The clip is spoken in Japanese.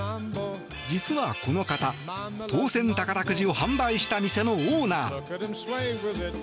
実はこの方、当選宝くじを販売した店のオーナー。